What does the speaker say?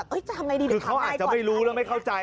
เปิดประตูนะครับ